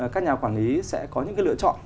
các nhà quản lý sẽ có những lựa chọn